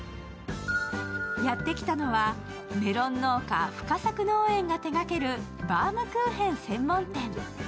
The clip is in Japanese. やってきたのはメロン農家深作農園が手がけるバウムクーヘン専門店。